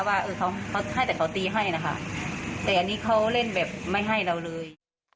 ว่าเขาให้แต่เขาตีให้นะคะแต่อันนี้เขาเล่นแบบไม่ให้เราเลย